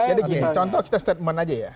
jadi contoh statement aja ya